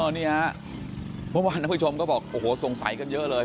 อ๋อนี่วันน้องผู้ชมก็บอกโอ้โหสงสัยกันเยอะเลย